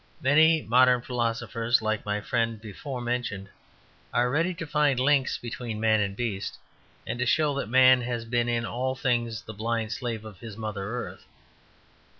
Many modern philosophers, like my friend before mentioned, are ready to find links between man and beast, and to show that man has been in all things the blind slave of his mother earth.